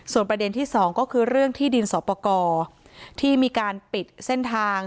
ประเด็นที่สองก็คือเรื่องที่ดินสอปกรที่มีการปิดเส้นทาง